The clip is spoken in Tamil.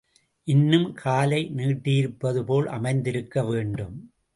இன்னும் காலை நீட்டியிருப்பது போல் அமைந்திருக்க வேண்டும்.